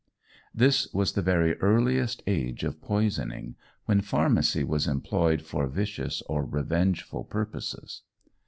This was the very earliest age of poisoning, when pharmacy was employed for vicious or revengeful purposes.